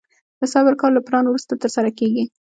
د صبر کار له پلان وروسته ترسره کېږي.